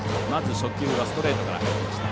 初球はストレートから入りました。